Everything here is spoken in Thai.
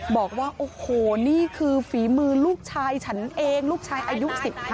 บอกว่าโอ้โหนี่คือฝีมือลูกชายฉันเองลูกชายอายุ๑๕